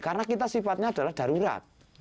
karena kita sifatnya adalah darurat